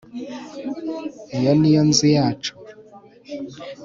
iyo ni yo nzu yacu